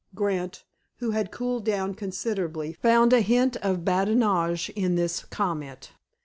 Grant, who had cooled down considerably, found a hint of badinage in this comment.